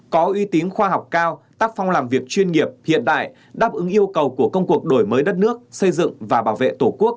có uy tín khoa học cao tác phong làm việc chuyên nghiệp hiện đại đáp ứng yêu cầu của công cuộc đổi mới đất nước xây dựng và bảo vệ tổ quốc